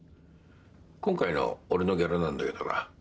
今回の俺のギャラなんだけどな